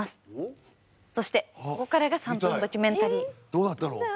どうなったの？